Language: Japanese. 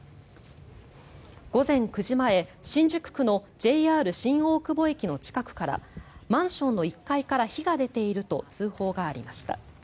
午前９時前、新宿区のＪＲ新大久保駅の近くからマンションの１階から火が出ていると通報がありました。